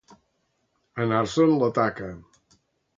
Anar-se'n la taca.